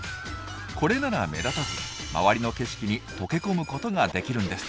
これなら目立たず周りの景色に溶け込むことができるんです。